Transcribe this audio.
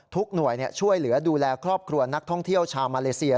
หน่วยช่วยเหลือดูแลครอบครัวนักท่องเที่ยวชาวมาเลเซีย